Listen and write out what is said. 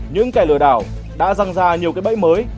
những kẻ lừa đảo đã răng ra nhiều cái bẫy mới